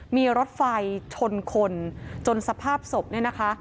มีรถไฟชนคนจนสภาพศพเนี่ยนะคะ